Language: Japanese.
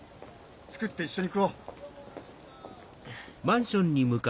作って一緒に食おう！